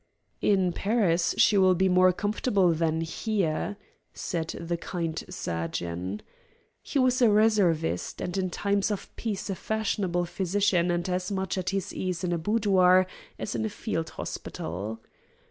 "In Paris she will be more comfortable than here," said the kind surgeon. He was a reservist, and in times of peace a fashionable physician and as much at his ease in a boudoir as in a field hospital.